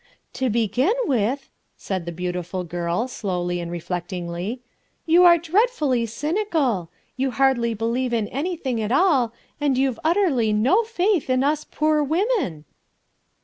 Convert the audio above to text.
"To begin with," said the beautiful girl, slowly and reflectingly, "you are dreadfully cynical: you hardly believe in anything at all, and you've utterly no faith in us poor women."